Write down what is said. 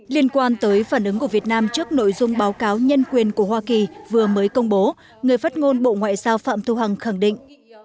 liên quan tới phản ứng của việt nam trước nội dung báo cáo nhân quyền của hoa kỳ vừa mới công bố người phát ngôn bộ ngoại giao phạm thu hằng khẳng định